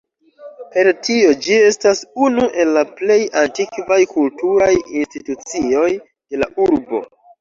Per tio ĝi estas unu el la plej antikvaj kulturaj institucioj de la urbo.